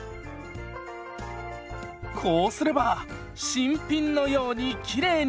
こうすれば新品のようにきれいに！